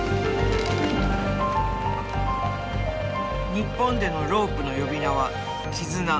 日本でのロープの呼び名は「絆」。